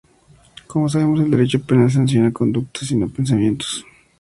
Como sabemos el derecho penal sanciona conductas y no pensamientos.